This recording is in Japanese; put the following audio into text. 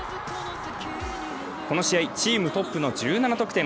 この試合、チームトップの１７得点。